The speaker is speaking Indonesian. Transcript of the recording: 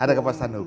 ada kepastian hukum